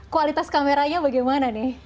kualitas kameranya bagaimana nih